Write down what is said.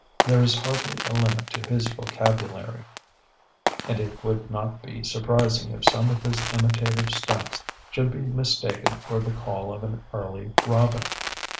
There is hardly a limit to his vocabulary, and it would not be surprising if some of his imitative stunts should be mistaken for the call of an early robin.